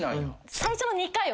最初の２回は。